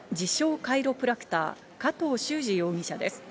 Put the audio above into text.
カイロプラクター、加藤修二容疑者です。